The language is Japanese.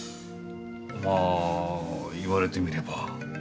まあ言われてみれば。